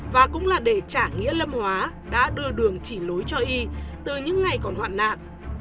và cũng là để trả nghĩa lâm hóa đã đưa đường chỉ lối cho y từ những ngày còn hoạn nạn